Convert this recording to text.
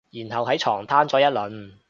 然後喺床攤咗一輪